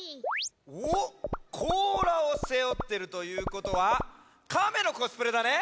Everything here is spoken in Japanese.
おっこうらをせおってるということはカメのコスプレだね？